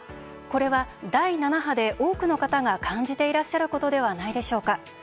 これは第７波で多くの方が感じていらっしゃることではないでしょうか。